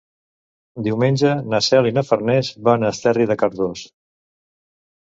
Diumenge na Cel i na Farners van a Esterri de Cardós.